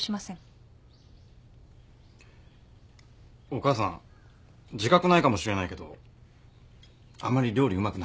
お母さん自覚ないかもしれないけどあんまり料理うまくない。